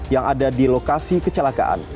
yang ada di lokasi kecelakaan